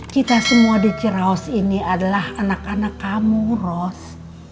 kita semua di ciraos ini adalah anak anak kamu ros